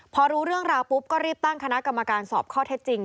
พอรู้เรื่องราวปุ๊บก็รีบตั้งคณะกรรมการสอบข้อเท็จจริง